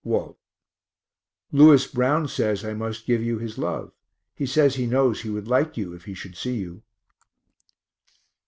WALT. Lewis Brown says I must give you his love he says he knows he would like you if he should see you.